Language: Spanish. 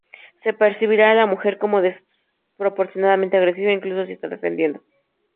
Se percibirá a la mujer como desproporcionadamente agresiva incluso si se está defendiendo.